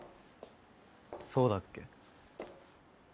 そうだっけ？